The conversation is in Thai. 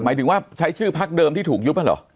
หมายถึงว่าใช้ชื่อพักเดิมที่ถูกยุบ